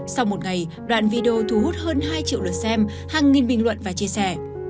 sau một ngày đoạn video thu hút hơn hai triệu lượt xem hàng nghìn bình luận và chia sẻ